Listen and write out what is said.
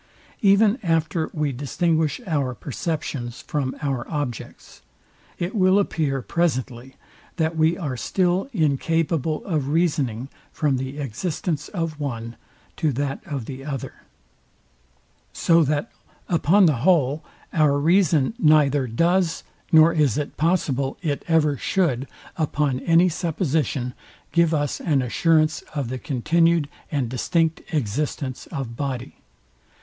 Even after we distinguish our perceptions from our objects, it will appear presently, that we are still incapable of reasoning from the existence of one to that of the other: So that upon the whole our reason neither does, nor is it possible it ever should, upon any supposition, give us an assurance of the continued and distinct existence of body.